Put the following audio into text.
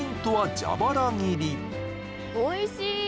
おいしい！